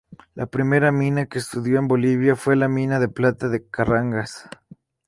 La primera mina que estudió en Bolivia fue la mina de plata de Carangas.